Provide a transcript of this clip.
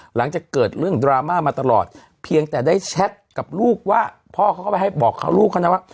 หลังจากเกิดเรื่องดราม่ามาตลอดเพียงแต่ได้แชทกับลูกว่าพ่อเขาก็ไปให้บอกเขาลูกเขานะว่า